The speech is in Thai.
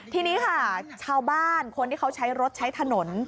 ทีนี้ค่ะชาวบ้านคนที่เขาใช้รถใช้ถนน